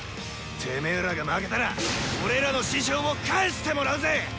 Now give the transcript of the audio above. テメェらが負けたら俺らの師匠を返してもらうぜ！